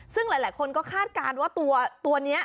ซึ่งหลายคนก็คาดการณ์ว่าตัวนี้